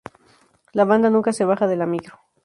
La banda nunca se baja de la micro.